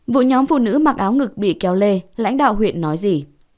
vụ nhóm phụ nữ mặc áo ngực bị kéo lê lãnh đạo huyện nói gì